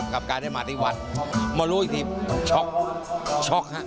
กลับไกลได้มาที่วัดมารู้อีกทีช็อคครับ